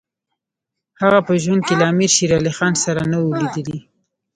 هغه په ژوند کې له امیر شېر علي خان سره نه وو لیدلي.